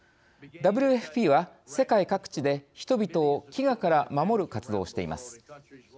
ＷＦＰは、世界各地で人々を飢餓から守る活動をしています。